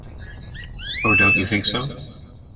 Or don't you think so?